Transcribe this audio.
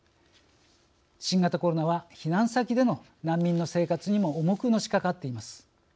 新型コロナは避難先での難民の生活にも重くのしかかっています。